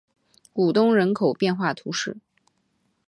古东人口变化图示